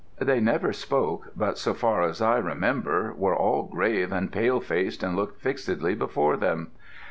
They never spoke, but, so far as I remember, were all grave and pale faced and looked fixedly before them.